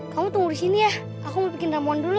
kamu tunggu di sini ya aku mau bikin damon dulu